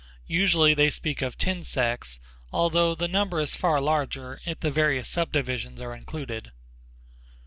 Usually they speak of ten sects although the number is far larger, if the various subdivisions are included.